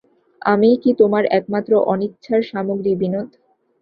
আমিই কি তোমার একমাত্র অনিচ্ছার সামগ্রী, বিনোদ!